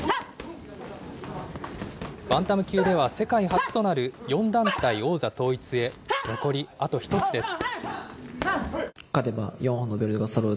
バンタム級では世界初となる４団体王座統一へ、残りあと１つです。